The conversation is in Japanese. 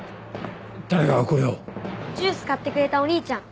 誰がこれを⁉ジュース買ってくれたお兄ちゃん。